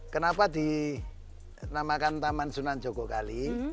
kenapa dinamakan taman sunan jogokali